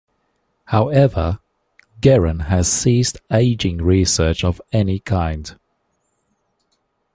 However, Geron has ceased aging research of any kind.